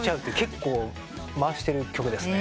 結構回してる曲ですね。